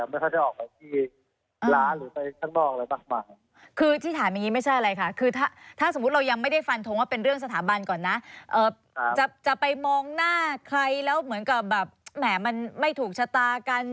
ไม่เป็นแค่เพื่อนกันส่วนใหญ่เป็นอยู่ที่บ้านด้วยครับไม่ค่อยได้ออกไปที่ร้าน